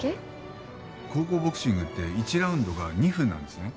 高校ボクシングって１ラウンドが２分なんですね。